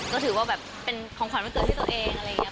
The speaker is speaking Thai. ก็ถือว่าแบบเป็นของขวัญวันเกิดให้ตัวเองอะไรอย่างนี้